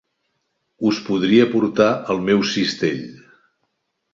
Us podria portar al meu cistell.